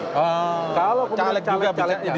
kalau kemudian caleg calegnya